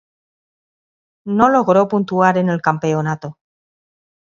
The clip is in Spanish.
No logró puntuar en el campeonato.